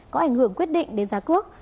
có ảnh hưởng quyết định đến giá cước